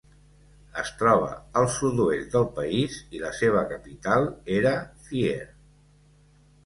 Es troba al sud-oest del país i la seva capital era Fier.